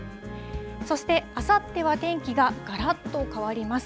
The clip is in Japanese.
そして、あさっては天気ががらっと変わります。